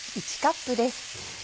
１カップです。